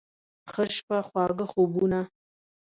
ښه شپه، خواږه خوبونه